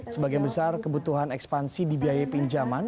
sebagian besar kebutuhan ekspansi di biaya pinjaman